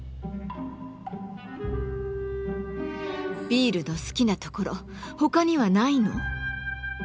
ビールの好きなところ他にはないの？